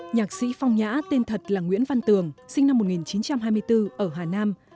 nhạc sĩ phong nhã tên thật là nguyễn văn tường sinh năm một nghìn chín trăm hai mươi bốn ở hà nam